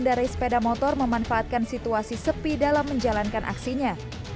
dari sepeda motor memanfaatkan situasi sepi dalam menjalankan aksinya